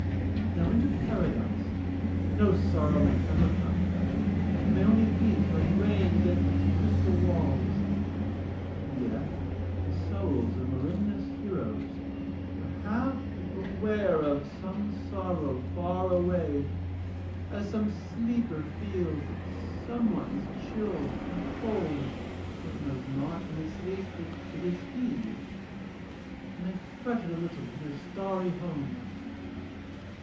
Now into Paradise no sorrow may ever come, but may only beat like rain against its crystal walls, yet the souls of Merimna's heroes were half aware of some sorrow far away as some sleeper feels that some one is chilled and cold yet knows not in his sleep that it is he. And they fretted a little in their starry home.